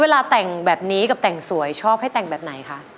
แต่งแบบนี้กับแต่งสวยชอบให้แต่งแบบไหนคะ